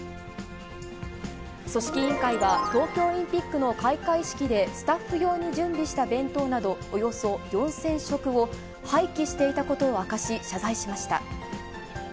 組織委員会は、東京オリンピックの開会式で、スタッフ用に準備した弁当などおよそ４０００食を、廃棄していたことを明かし、謝罪しました。